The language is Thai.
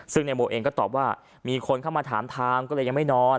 ซึ่งนายโมเองก็ตอบว่ามีคนเข้ามาถามทางก็เลยยังไม่นอน